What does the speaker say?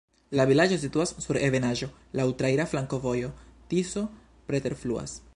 La vilaĝo situas sur ebenaĵo, laŭ traira flankovojo, Tiso preterfluas.